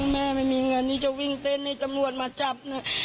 ไม่มีเงินที่จะวิ่งเต้นให้ตำรวจมาจับนะ